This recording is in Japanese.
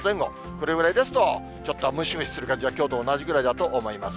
これぐらいですと、ちょっとムシムシする感じは、きょうと同じぐらいだと思います。